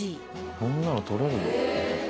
こんなの撮れるの？